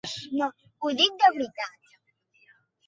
Ho dic de veritat.